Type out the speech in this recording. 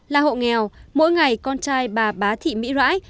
là hộ nghèo mỗi ngày con trai bà bá thị mỹ rãi